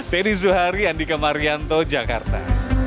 teddy zuhari andika marianto jakarta